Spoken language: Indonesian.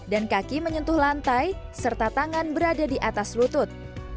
dan kaki menyentuh lantai serta tangan berada di atas lutut